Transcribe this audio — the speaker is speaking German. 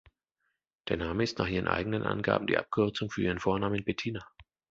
Der Name ist nach ihren eigenen Angaben die Abkürzung für ihren Vornamen Betina.